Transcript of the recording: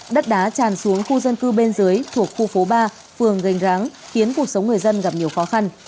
đất đá tràn xuống khu dân cư bên dưới thuộc khu phố ba phường gành ráng khiến cuộc sống người dân gặp nhiều khó khăn